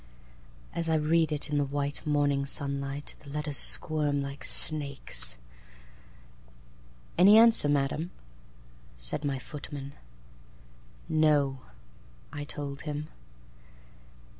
As I read it in the white, morning sunlight, The letters squirmed like snakes."Any answer, Madam," said my footman."No," I told him.